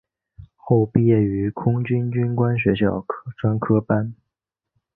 后毕业于空军军官学校专科班。